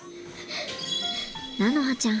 菜花ちゃん